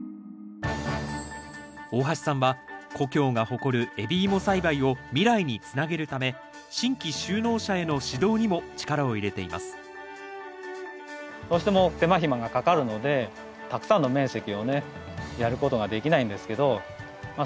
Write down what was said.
大箸さんは故郷が誇る海老芋栽培を未来につなげるため新規就農者への指導にも力を入れていますどうしても手間暇がかかるのでたくさんの面積をねやることができないんですけどま